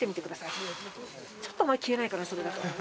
ちょっとあんまり消えないかな、それだと。